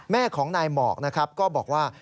แม่ของนายหมอกนะครับก็บอกว่า